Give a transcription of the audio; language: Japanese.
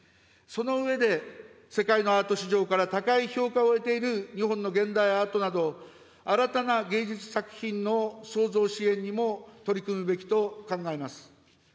その上で、世界のアート市場から高い評価を得ている日本の現代アートなど、新たな芸術作品の創造支援にも取り組むべきと考えます。